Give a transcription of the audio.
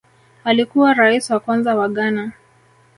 Alikuwa Rais wa kwanza wa Ghana